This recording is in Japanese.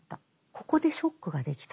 ここでショックができた。